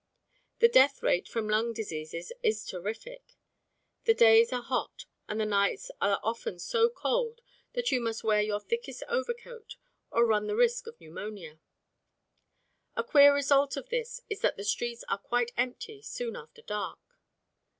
The death rate from lung diseases is terrific. The days are hot and the nights are often so cold that you must wear your thickest overcoat or run the risk of pneumonia. A queer result of this is that the streets are quite empty soon after dark.